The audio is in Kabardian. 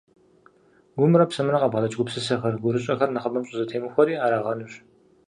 Гумрэ псэмрэ къабгъэдэкӀ гупсысэхэр, гурыщӀэхэр нэхъыбэм щӀызэтемыхуэри арагъэнущ.